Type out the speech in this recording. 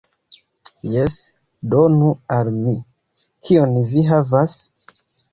"Jes, donu al mi. Kion vi havas?"